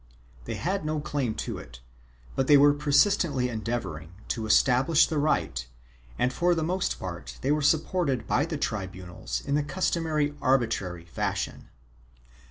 They had no claim to it, but they were persistently endeavoring to establish the right and for the most part they were supported by the tribunals in the customary arbitrary fashion.